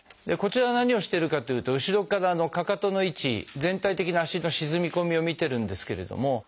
こちらは何をしてるかというと後ろからかかとの位置全体的な足の沈み込みを見てるんですけれども。